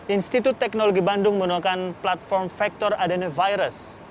institut teknologi bandung menggunakan platform vector adenovirus